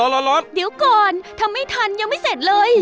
ร้อนเดี๋ยวก่อนทำไม่ทันยังไม่เสร็จเลย